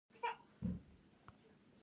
ایا ستاسو کتابونه لوستل شوي نه دي؟